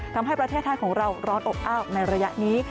ทำให้ประเทศไทยของเราร้อนอบอ้าวในระยะนี้